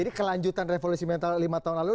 jadi kelanjutan revolusi mental lima tahun lalu